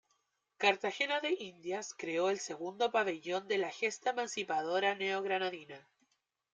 Cartagena de Indias creó el segundo pabellón de la gesta emancipadora neogranadina.